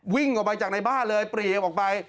วิ่งออกไปจากในบ้านเลยปรีออกไป